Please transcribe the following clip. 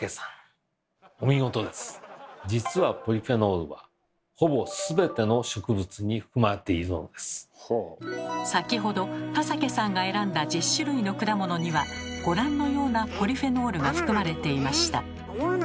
実はポリフェノールは先ほど田サケさんが選んだ１０種類の果物にはご覧のようなポリフェノールが含まれていました。